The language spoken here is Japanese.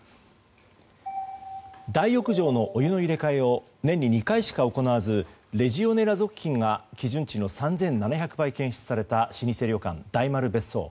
大浴場のお湯の入れ替えを年に２回しか行わずレジオネラ属菌が基準値の３７００倍検出された老舗旅館・大丸別荘。